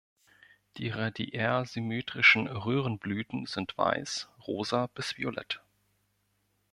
Die radiärsymmetrischen Röhrenblüten sind weiß, rosa bis violett.